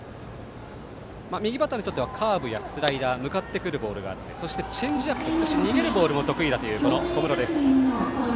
右バッターにとってはカーブ、スライダー向かってくるボールチェンジアップ、逃げるボールも得意という小室です。